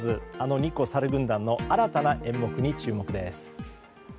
日光さる軍団の新たな演目に注目です。